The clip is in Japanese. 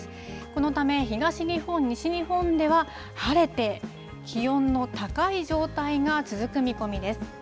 このため、東日本、西日本では晴れて気温の高い状態が続く見込みです。